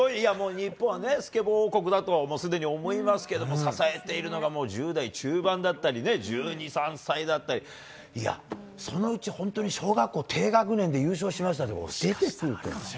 日本はスケボー王国だとすでに思いますけれども、支えているのが１０代中盤だったり、１２、３歳だったり、いや、そのうち本当に小学校低学年で優勝しましたとか、出てくるって。